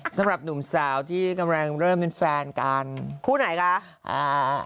สำหรับหนุ่มสาวที่กำลังเริ่มเป็นแฟนกันคู่ไหนคะอ่า